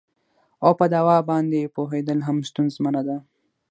او په دوا باندې یې پوهیدل هم ستونزمنه ده